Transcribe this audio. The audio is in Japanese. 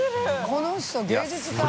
この人芸術家。